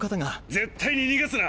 絶対に逃がすな！